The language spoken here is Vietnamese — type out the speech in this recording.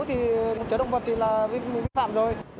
thì chở động vật thì là vi phạm rồi